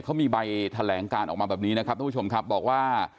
เขามีใบแถลงการออกมาแบบนี้นะครับทุกผู้ชมครับบอกว่า